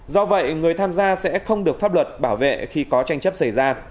do vậy người tham gia sẽ không được pháp luật bảo vệ khi có tranh chấp xảy ra